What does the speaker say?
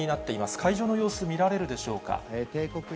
会場の様子、見られるでしょうか。